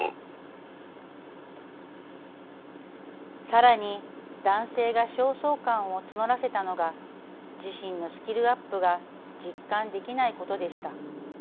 さらに男性が焦燥感を募らせたのが自身のスキルアップが実感できないことでした。